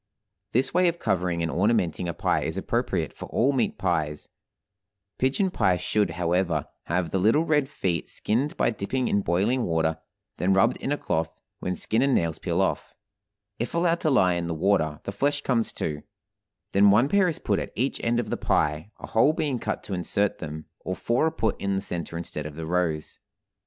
This way of covering and ornamenting a pie is appropriate for all meat pies; pigeon pie should, however, have the little red feet skinned by dipping in boiling water, then rubbed in a cloth, when skin and nails peel off; if allowed to lie in the water, the flesh comes too; then one pair is put at each end of the pie, a hole being cut to insert them, or four are put in the center instead of the rose.